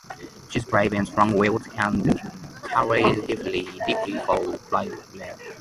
She is brave and strong-willed, and cares deeply for Cyril.